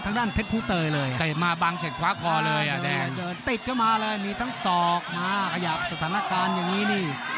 ติดเข้ามาเลยมีทั้งศอกมาขยับสถานการณ์อย่างงี้นี่